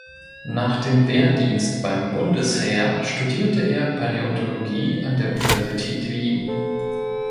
Nach dem Wehrdienst beim Bundesheer studierte er Paläontologie an der Universität Wien.